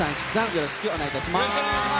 よろしくお願いします。